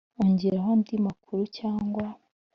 ongeraho andi makuru cyangwa